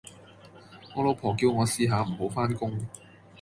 我老婆叫我試下唔好返工